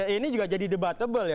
ini juga jadi debatable ya